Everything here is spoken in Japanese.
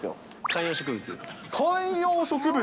観葉植物。